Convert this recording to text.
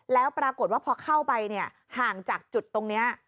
แล้วปรากฏว่าพอเข้าไปห่างจากจุดตรงนี้